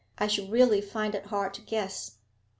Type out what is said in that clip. I should really find it hard to guess.'